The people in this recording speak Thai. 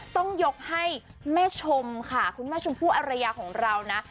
ต้องยกให้แม่ชมค่ะคุณแม่ชมพู่อรยาของเรานะ